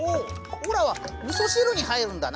オラはみそ汁に入るんだな！